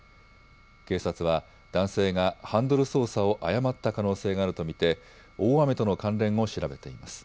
警察は男性がハンドル操作を誤った可能性があると見て大雨との関連を調べています。